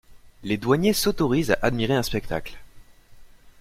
Les douaniers s'autorisent à admirer un spectacle.